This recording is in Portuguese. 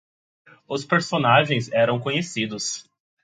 Os personagens eram conhecidos.